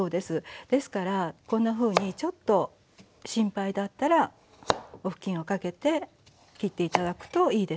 ですからこんなふうにちょっと心配だったらお布巾をかけて切って頂くといいですね。